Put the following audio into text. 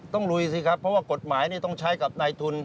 ต้องลุยสิครับเพราะว่ากฎหมายนี่ต้องใช้กับในทุน